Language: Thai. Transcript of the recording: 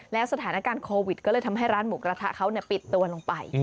แล้วสถานการณ์โควิดก็เลยทำให้ร้านหมูกระทะเขาปิดตัวลงไป